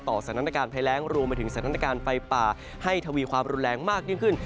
สถานการณ์ภัยแรงรวมไปถึงสถานการณ์ไฟป่าให้ทวีความรุนแรงมากยิ่งขึ้น